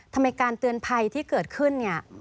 ทำไมการเตือนภัยที่เกิดขึ้นเนี่ย